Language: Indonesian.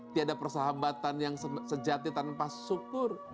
tiada persahabatan yang sejati tanpa syukur